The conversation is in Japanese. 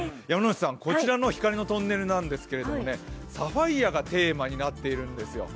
こちらの光のトンネルなんですけれどもサファイアがテーマになっているんですよ。